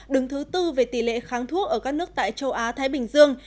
đứng thứ tư về tỷ lệ kháng thuốc ở các nước tại châu á thái bình dương